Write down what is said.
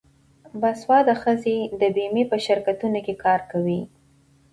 باسواده ښځې د بیمې په شرکتونو کې کار کوي.